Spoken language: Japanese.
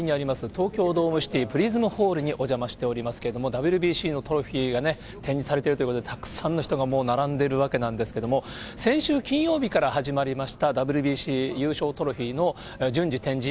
東京ドームシティプリズムホールにお邪魔しておりますけれども、ＷＢＣのトロフィーが展示されているということで、たくさんの人がもう並んでるわけなんですけれども、先週金曜日から始まりましたＷＢＣ優勝トロフィーの順次展示。